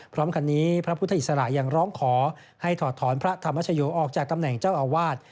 พร้อมกันนี้พระพุทธอิสระยังร้องขอให้ถอดถอนพระธรรมชโยออกจากตำแหน่งเจ้าอาวาส